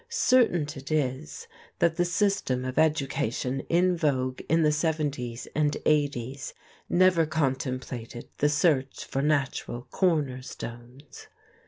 Certain it is that the system of education in vogue in the 70's and 80's never contemplated the search for natural corner stones.